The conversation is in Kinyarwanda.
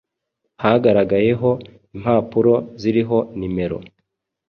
hagaragayeho impapuro ziriho nimero